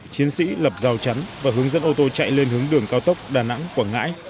chiến sĩ lập rào chắn và hướng dẫn ô tô chạy lên hướng đường cao tốc đà nẵng quảng ngãi